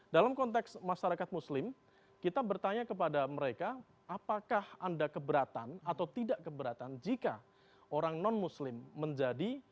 dalam konteks masyarakat muslim kita bertanya kepada mereka apakah anda keberatan atau tidak keberatan jika orang non muslim menjadi